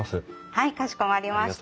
はいかしこまりました。